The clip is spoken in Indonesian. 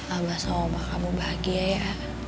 abah sama kamu bahagia ya